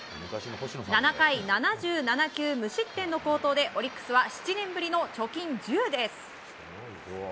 ７回７７球、無失点でオリックスは７年ぶりの貯金１０です。